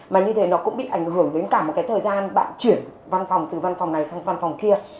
mà như thế nó cũng bị ảnh hưởng đến cả một cái thời gian bạn chuyển văn phòng từ văn phòng này sang văn phòng kia